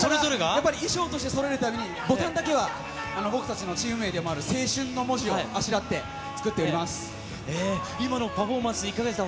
やっぱり衣装としてそろえるためにボタンだけは僕たちのチーム名でもある青春の文字をあしら今のパフォーマンス、いかがでした？